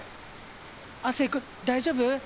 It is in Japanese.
亜生くん大丈夫？